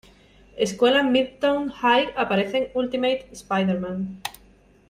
Escuela Midtown High aparece en "Ultimate Spider-Man".